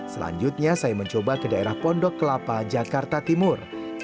selanjutnya saya mencoba ke daerah pondok kelapa jakarta timur